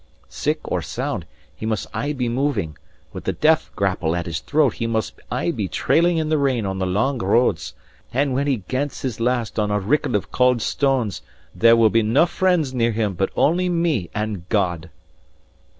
Sick or sound, he must aye be moving; with the death grapple at his throat he must aye be trailing in the rain on the lang roads; and when he gants his last on a rickle of cauld stanes, there will be nae friends near him but only me and God."